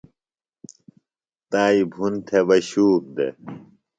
تائیۡ بھُن تھےۡ بہ شوک دےۡ